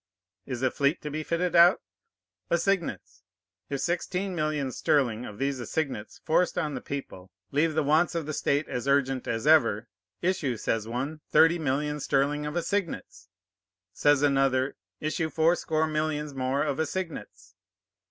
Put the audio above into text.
Is a fleet to be fitted out? Assignats. If sixteen millions sterling of these assignats forced on the people leave the wants of the state as urgent as ever, Issue, says one, thirty millions sterling of assignats, says another, Issue fourscore millions more of assignats.